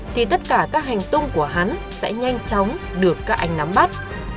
thì tất cả các hành tung của hắn sẽ nhanh chóng được các anh nắm bắt